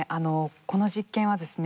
この実験はですね